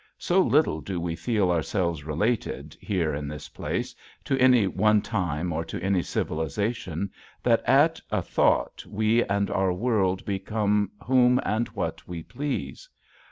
So little do we feel ourselves related, here in this place, to any one time or to any civilization that at a thought we and our world become whom and what we please.